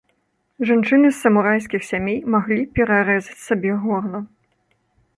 Жанчыны з самурайскіх сямей маглі перарэзаць сабе горла.